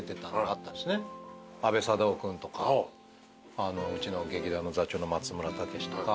阿部サダヲ君とかうちの劇団の座長の松村武とか。